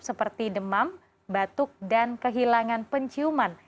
seperti demam batuk dan kehilangan penciuman